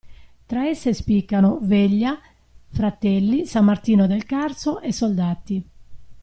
Tra esse spiccano Veglia, Fratelli, San Martino del Carso e Soldati.